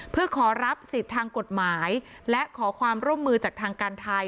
เพื่อขอรับสิทธิ์ทางกฎหมายและขอความร่วมมือจากทางการไทย